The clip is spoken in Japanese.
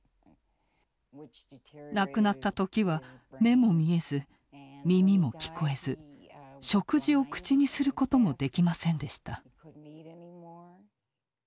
亡くなった時は目も見えず耳も聞こえず食事を口にすることもできませんでした。